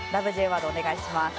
Ｊワードお願いします。